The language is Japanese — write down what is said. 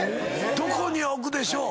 どこに置くでしょう。